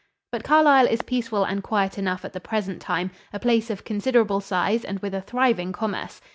But Carlisle is peaceful and quiet enough at the present time, a place of considerable size and with a thriving commerce.